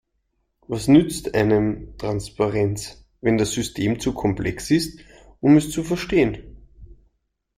Was nützt einem Transparenz, wenn das System zu komplex ist, um es zu verstehen?